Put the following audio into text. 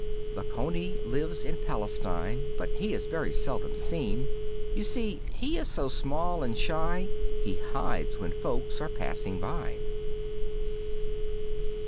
The coney lives in Palestine But he is very seldom seen. You see he is so small and shy He hides when folks are passing by.